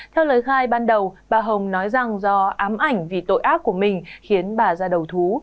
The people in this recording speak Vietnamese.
theo lời khai ban đầu bà hồng nói rằng do ám ảnh vì tội ác của mình khiến bà ra đầu thú